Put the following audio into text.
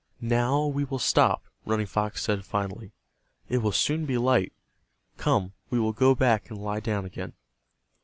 "Now we will stop," Running Fox said, finally, "It will soon be light. Come, we will go back and lie down again."